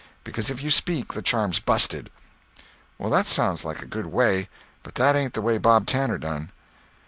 Because if you speak the charm's busted." "Well, that sounds like a good way; but that ain't the way Bob Tanner done."